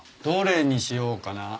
どれにしようかな？